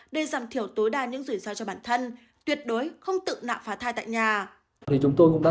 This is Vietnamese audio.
để giảm thiểu tối đa những rủi ro cho bản thân tuyệt đối không tự nạo phá thai tại nhà